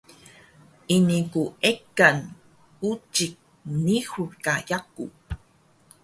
ini ku ekan ucik mngihur ka yaku